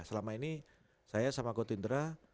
selama ini saya sama got indra